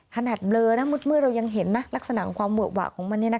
ขนาดเบลอนะมืดเรายังเห็นลักษณะของความเบลอของมันนี่นะคะ